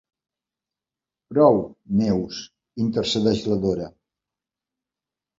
Prou, Neus —intercedeix la Dora.